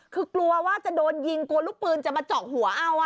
คือกลัวว่าจะโดนยิงกลัวลูกปืนจะมาเจาะหัวเอา